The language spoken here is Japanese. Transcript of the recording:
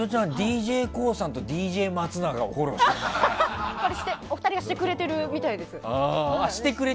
ＤＪＫＯＯさんとＤＪ松永をお二人がしてくれてるみたいですよ。